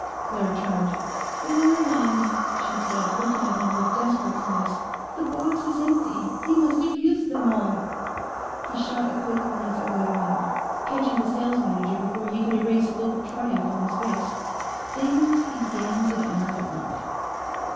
Claire turned. "There are none," she said, looking at him with desperate eyes. "The box is empty; he must have used them all." He shot a quick glance at Latterman, catching the sales manager before he could erase a look of triumph from his face. Things began to add up.